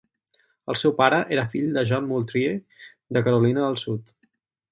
El seu pare era fill de John Moultrie de Carolina del Sud.